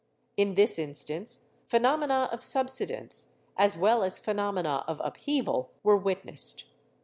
In this instance, phenomena of subsidence, as well as phenomena of upheaval, were witnessed.